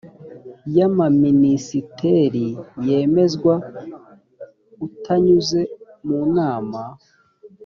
y amaminisiteri yemezwa atanyuze mu nama